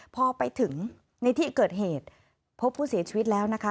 พอไปถึงในที่เกิดเหตุพบผู้เสียชีวิตแล้วนะคะ